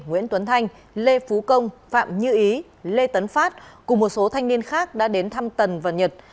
nguyễn tuấn thanh lê phú công phạm như ý lê tấn phát cùng một số thanh niên khác đã đến thăm tần và nhật